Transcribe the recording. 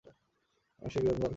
মানুষের বিনোদন দরকার।